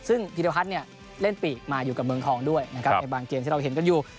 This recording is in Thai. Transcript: ซึ่งพิรพัฒน์เนี่ยเล่นปีกมาอยู่กับเมืองทองด้วยนะครับในบางเกมที่เราเห็นกันอยู่